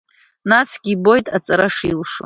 Насгьы, ибоит аҵара шилшо.